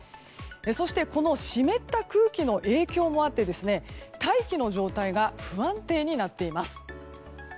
そして、この湿った空気の影響もあって大気の状態が不安定になっています。